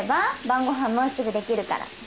晩ご飯もうすぐできるから。